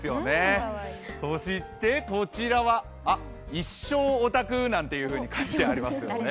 そしてこちらは「一生オタク」なんていうふうに書いてありますね。